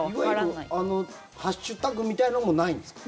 いわゆるハッシュタグみたいのもないんですか？